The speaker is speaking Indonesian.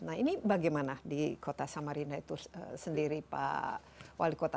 nah ini bagaimana di kota samarinda itu sendiri pak wali kota